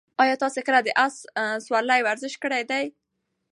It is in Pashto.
ایا تاسي کله د اس سورلۍ ورزش کړی دی؟